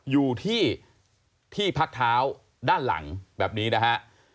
อยู่ที่ที่พักเท้าด้านหลังแบบนี้นะฮะ